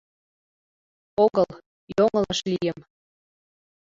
Огыл, йоҥылыш лийым.